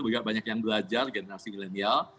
juga banyak yang belajar generasi milenial